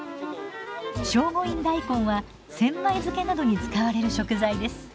聖護院大根は千枚漬などに使われる食材です。